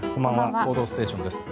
「報道ステーション」です。